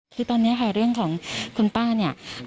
คือตอนนี้ค่ะเรื่องของคุณป้าเนี่ย